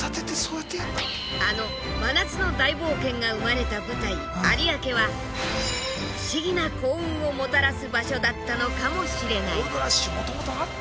あの真夏の大冒険が生まれた舞台有明は不思議な幸運をもたらす場所だったのかもしれない。